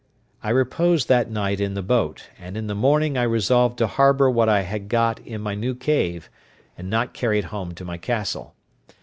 I reposed that night in the boat and in the morning I resolved to harbour what I had got in my new cave, and not carry it home to my castle.